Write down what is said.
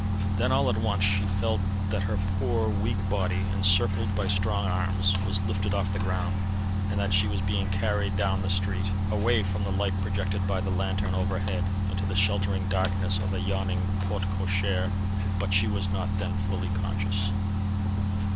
Then all at once she felt that her poor, weak body, encircled by strong arms, was lifted off the ground, and that she was being carried down the street, away from the light projected by the lanthorn overhead, into the sheltering darkness of a yawning porte cochere. But she was not then fully conscious.